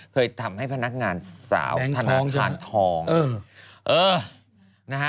เคยทำให้พนักงานสาวธนทางทอง